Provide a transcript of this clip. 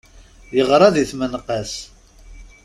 Yeɣra di tmenqas.